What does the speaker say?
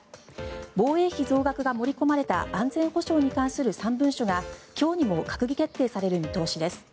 防衛費増額が盛り込まれた安全保障に関する３文書が今日にも閣議決定される見通しです。